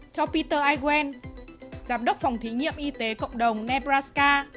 theo peter iwan giám đốc phòng thí nghiệm y tế cộng đồng nebraska